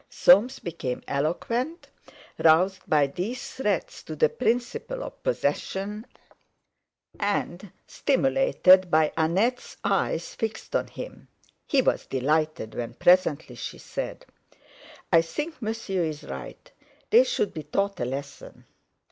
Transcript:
Soames became eloquent, roused by these threats to the principle of possession, and stimulated by Annette's eyes fixed on him. He was delighted when presently she said: "I think Monsieur is right. They should be taught a lesson."